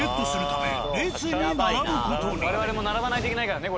我々も並ばないといけないからね